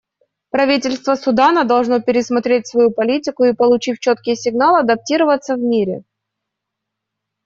Правительство Судана должно пересмотреть свою политику и, получив четкий сигнал, адаптироваться в мире.